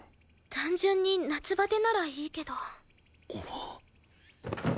単純に夏バテならいいけど。